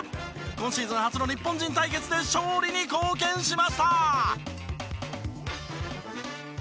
今シーズン初の日本人対決で勝利に貢献しました！